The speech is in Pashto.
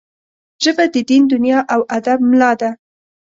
ژبه د دین، دنیا او ادب ملا ده